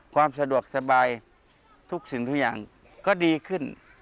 ความสะดวกสบายทุกสิ่งทุกอย่างก็ดีขึ้น